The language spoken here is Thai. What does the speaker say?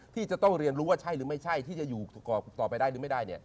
ที่จะต้องเรียนรู้ว่าใช่หรือไม่ใช่ที่จะอยู่ต่อไปได้หรือไม่ได้